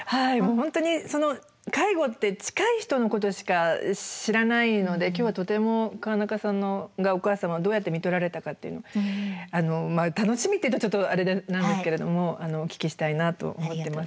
本当にその介護って近い人のことしか知らないので今日はとても川中さんがお母様をどうやってみとられたかっていうのをあのまあ楽しみって言うとちょっとあれなんですけれどもお聞きしたいなと思ってます